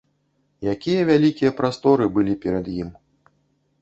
Якія вялікія прасторы былі перад ім!